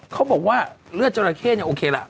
เขาบอกว่าเลือดจราเข้เนี่ยโอเคล่ะ